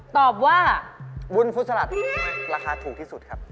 ตอบว่าวุ้นฟุสลัดราคาถูกที่สุดครับ